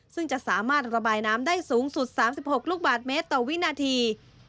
ซึ่งจะสามารถระบายน้ำได้สูงสุด๓๖ลูกบาทเมตรต่อวินาที